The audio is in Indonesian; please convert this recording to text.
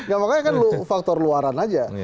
ya makanya kan faktor luaran aja